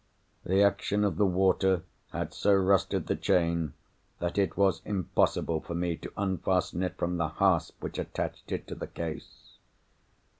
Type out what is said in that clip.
The action of the water had so rusted the chain, that it was impossible for me to unfasten it from the hasp which attached it to the case.